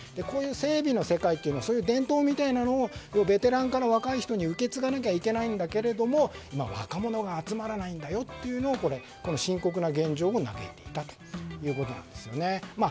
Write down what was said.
こういう整備の世界というのはそういう伝統みたいなのをベテランから若い人に受け継がなければいけないんだけども若者が集まらないんだよと深刻な現状を嘆いていたということです。